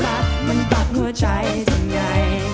รักมันตัดหัวใจทุกไหน